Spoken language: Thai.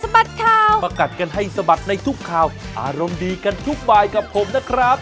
บัดข่าวประกัดกันให้สะบัดในทุกข่าวอารมณ์ดีกันทุกบายกับผมนะครับ